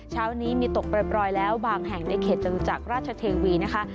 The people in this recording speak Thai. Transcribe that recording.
เช้านี้มีตกปล่อยแล้วบางแห่งในเขตจรุจักรราชเทวีนะคะ